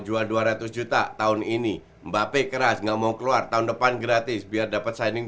jual dua ratus juta tahun ini mbappe keras nggak mau keluar tahun depan gratis biar dapat signing